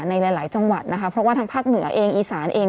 ในหลายจังหวัดนะคะเพราะว่าทางภาคเหนือเองอีสานเอง